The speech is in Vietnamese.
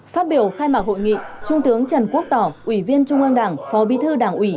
phát biểu khai mạc hội nghị trung tướng trần quốc tỏ ủy viên trung ương đảng phó bí thư đảng ủy